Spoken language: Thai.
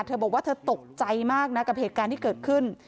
เธอบอกว่าเธอตกใจมากนะกับเหตุการณ์ที่เกิดขึ้น